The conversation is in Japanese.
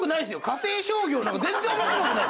火星商業なんか全然面白くない。